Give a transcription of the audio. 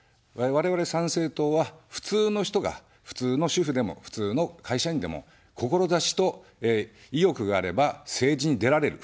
我々、参政党は、普通の人が普通の主婦でも普通の会社員でも、志と意欲があれば、政治に出られる。